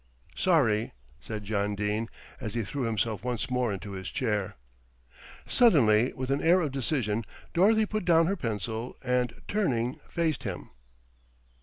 "Sorry," said John Dene, as he threw himself once more into his chair. Suddenly with an air of decision, Dorothy put down her pencil and turning, faced him.